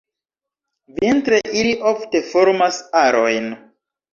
Vintre ili ofte formas arojn.